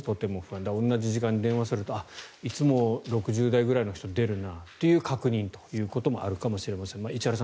だから、同じ時間に電話するといつも６０代くらいの人が出るなという確認ということもあるかもしれませんが石原さん